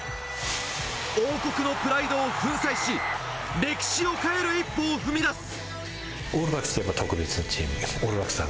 王国のプライドを粉砕し、歴史を変える一歩を踏み出す。